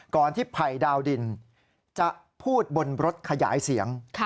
ก่อนที่ภัยดาวดินจะพูดบนรถขยายเสียง